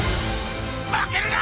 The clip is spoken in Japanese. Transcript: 負けるな！